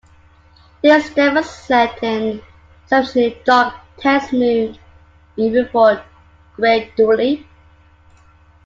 These demos set an exceptionally dark, tense mood, even for Greg Dulli.